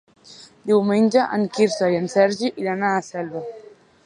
Diumenge en Quirze i en Sergi iran a Selva.